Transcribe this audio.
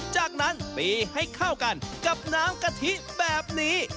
จากนั้นตีให้เข้ากันกับน้ำกะทิแบบนี้